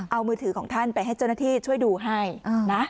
เอามือถือของท่านไปให้เจ้าหน้าที่ช่วยดูให้นะ